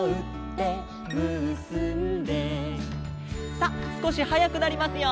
さあすこしはやくなりますよ。